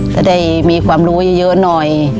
จะได้มีความรู้เยอะหน่อย